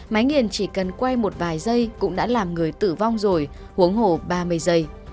máy nghiền chỉ cần quay một vài giây cũng đã làm người tử vong rồi uống hồ ba mươi giây